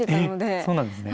えっそうなんですね。